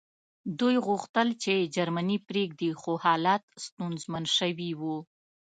دوی غوښتل چې جرمني پرېږدي خو حالات ستونزمن شوي وو